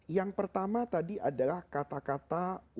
yang pertama adalah yang pertama adalah agama ini akan berbeda dari setiap orang